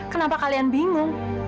kenapa kalian bingung